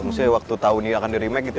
maksudnya waktu tahun ini akan di remake gitu ya